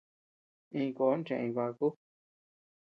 Iñkon cheʼeñ bakuu.